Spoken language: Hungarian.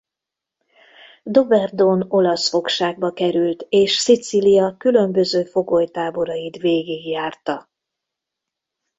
Doberdón olasz fogságba került és Szicília különböző fogolytáborait végigjárta.